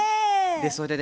それでね